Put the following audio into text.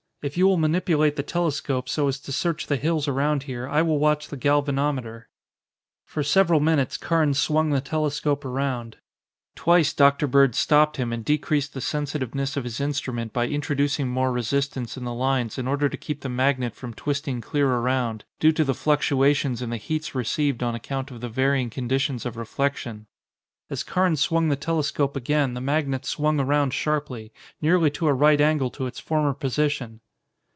If you will manipulate the telescope so as to search the hills around here, I will watch the galvanometer." For several minutes Carnes swung the telescope around. Twice Dr. Bird stopped him and decreased the sensitiveness of his instrument by introducing more resistance in the lines in order to keep the magnet from twisting clear around, due to the fluctuations in the heats received on account of the varying conditions of reflection. As Carnes swung the telescope again the magnet swung around sharply, nearly to a right angle to its former position.